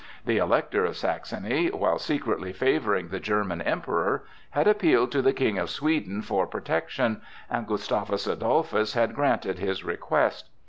The Elector of Saxony, while secretly favoring the German Emperor, had appealed to the King of Sweden for protection, and Gustavus Adolphus had granted his request.